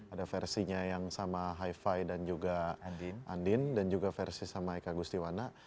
ada versinya yang sama hi fi dan juga andin dan juga versi sama eka gustiwana